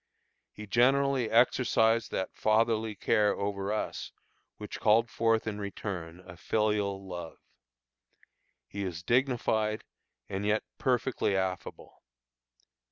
He generally exercised that fatherly care over us which called forth in return a filial love. He is dignified, and yet perfectly affable.